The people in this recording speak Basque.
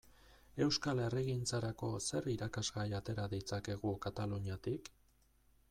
Euskal herrigintzarako zer irakasgai atera ditzakegu Kataluniatik?